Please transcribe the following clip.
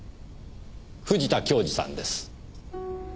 藤田恭二さんです。